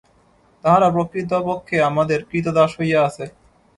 তাহারা প্রকৃতপক্ষে আমাদের ক্রীতদাস হইয়া আছে।